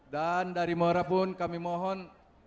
dan dari mora pun kami mohon